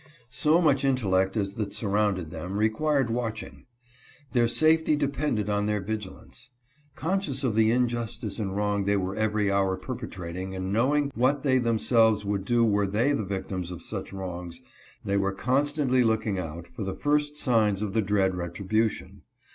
So much intellect as that surrounding them, required watching. Their safety depended on their vigilance. Conscious of the injustice and wrong they were every hour perpetrating and knowing what they themselves would do were they the victims of such wrongs, they were constantly looking out for the first signs of the dread retribution.